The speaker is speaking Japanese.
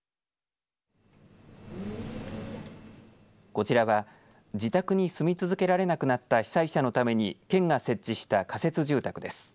こちらは自宅に住み続けられなくなった被災者のために県が設置した仮設住宅です。